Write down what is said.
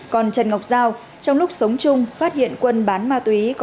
còn trần ngọc giao trong lúc sống chung phát hiện quân bán ma túy có lợi nhuận cao